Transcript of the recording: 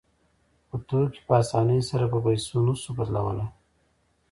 خو توکي په اسانۍ سره په پیسو نشو بدلولی